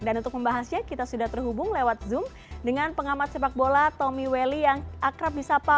dan untuk membahasnya kita sudah terhubung lewat zoom dengan pengamat sepak bola tommy welly yang akrab di sapa